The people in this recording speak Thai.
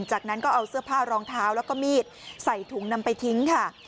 จากนั้นก็เอาเสื้อผ้ารองเท้าแล้วก็มีดใส่ถุงนำไปทิ้งค่ะ